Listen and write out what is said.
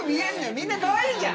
みんなかわいいじゃん。